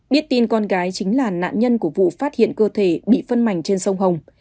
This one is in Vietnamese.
biết tin con gái chính là nạn nhân của vụ phát hiện cơ thể bị phân mảnh trên sông hồng